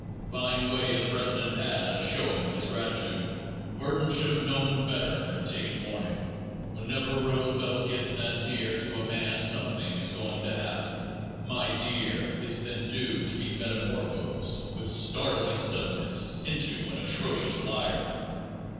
Fine way the president had of showing his gratitude. Burton should have known better and taken warning. Whenever Roosevelt gets that near to a man something is going to happen. "My dear" is then due to be metamorphosed with startling suddenness into an "atrocious liar."